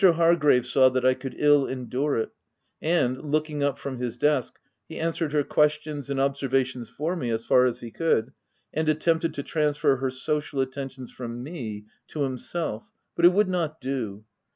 Hargrave saw that I could ill endure it ; and, looking up from his desk, he answered her questions and observ ations for me, as far as he could, and attempted to transfer her social attentions from me to himself; but it would not do.